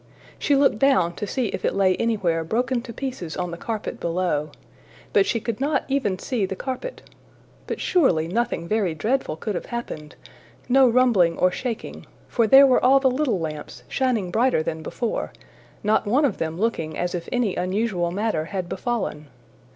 She looked down to see if it lay anywhere broken to pieces on the carpet below; but she could not even see the carpet. But surely nothing very dreadful could have happened no rumbling or shaking; for there were all the little lamps shining brighter than before, not one of them looking as if any unusual matter had befallen.